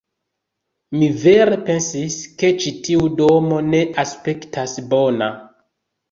Mi vere pensis, ke ĉi tiu domo ne aspektas bona